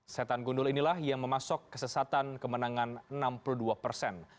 setan gundul inilah yang memasuk kesesatan kemenangan enam puluh dua persen